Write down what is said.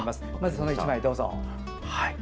その１枚、どうぞ。